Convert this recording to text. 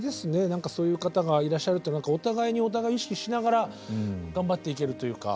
何かそういう方がいらっしゃるってお互いにお互いを意識しながら頑張っていけるというか。